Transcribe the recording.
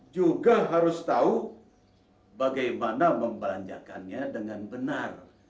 juga harus tahu bagaimana membelanjakannya dengan benar